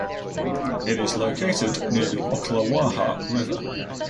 It is located near the Ocklawaha River.